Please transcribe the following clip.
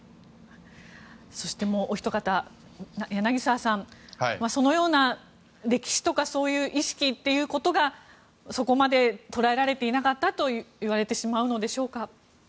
そして、もうお一方柳澤さんそのような歴史とか意識ということがそこまで捉えられていなかったと言われてしまうのでしょうか。